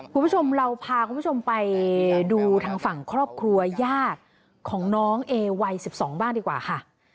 คุณผู้ชมเราพาคุณผู้ชมไปดูทางฝั่งครอบครัวญาติของน้องเอวัย๑๒บ้างดีกว่าค่ะ